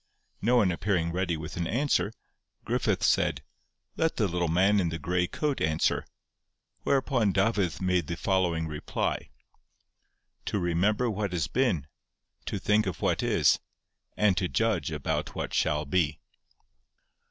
No one appearing ready with an answer, Griffith said: 'Let the little man in the grey coat answer;' whereupon Dafydd made the following reply: 'To remember what has been—to think of what is—and to judge about what shall be.